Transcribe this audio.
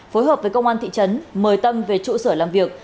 phối hợp với công an thị trấn mời tâm về trụ sở làm việc